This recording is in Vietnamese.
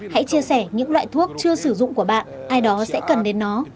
hãy chia sẻ những loại thuốc chưa sử dụng của bạn ai đó sẽ cần đến nó